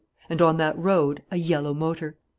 And, on that road, a yellow motor.